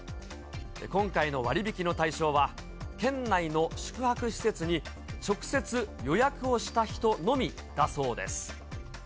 今回の割引の対象は、県内の宿泊施設に直接予約をした人のみだそうです。